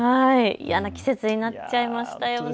嫌な季節になっちゃいましたよね。